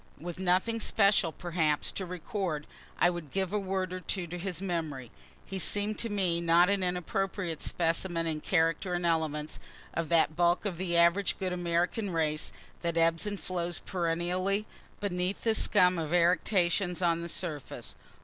With nothing special, perhaps, to record, I would give a word or two to his memory. He seem'd to me not an inappropriate specimen in character and elements, of that bulk of the average good American race that ebbs and flows perennially beneath this scum of eructations on the surface.